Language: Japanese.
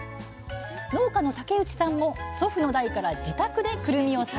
農家の竹内さんも祖父の代から自宅でくるみを栽培。